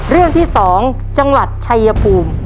เรื่องที่๒จังหวัดชายภูมิ